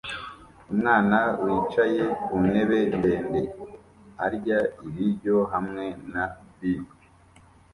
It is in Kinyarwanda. Umwana wicaye ku ntebe ndende arya ibiryo hamwe na bib